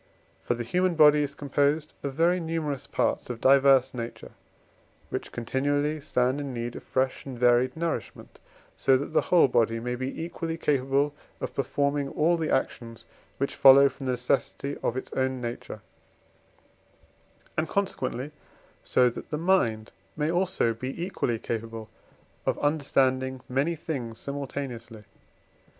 For the human body is composed of very numerous parts, of diverse nature, which continually stand in need of fresh and varied nourishment, so that the whole body may be equally capable of performing all the actions, which follow from the necessity of its own nature; and, consequently, so that the mind may also be equally capable of understanding many things simultaneously.